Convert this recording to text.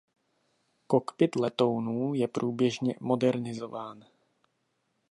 Kokpit letounů je průběžně modernizován.